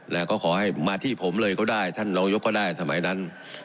แล้วก็ขอให้มาที่ผมเลยก็ได้ท่านรองยกก็ได้สมัยนั้น